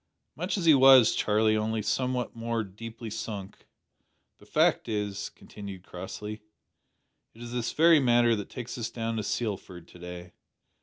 "Much as he was, Charlie, only somewhat more deeply sunk. The fact is," continued Crossley, "it is this very matter that takes us down to Sealford to day.